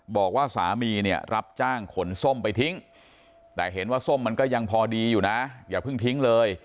บอกว่าสามีเนี่ยรับจ้างขนส้มไปทิ้งแต่เห็นว่าส้มมันก็ยังพอดีอยู่นะอย่าเพิ่งทิ้งเลย